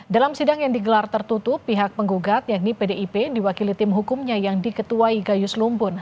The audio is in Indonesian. dalam sidang yang digelar tertutup pihak penggugat yakni pdip diwakili tim hukumnya yang diketuai gayus lumbun